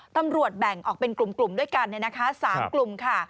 แบ่งออกเป็นกลุ่มด้วยกัน๓กลุ่มค่ะ